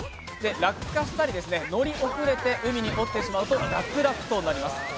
落下したり、乗り遅れて海に落ちてしまうと脱落となります。